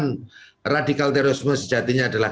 terorisme radikal sejatinya adalah